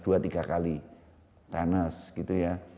dua tiga kali panas gitu ya